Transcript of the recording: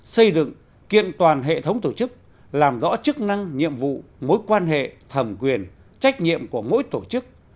xây dựng kiện toàn hệ thống tổ chức làm rõ chức năng nhiệm vụ mối quan hệ thẩm quyền trách nhiệm của mỗi tổ chức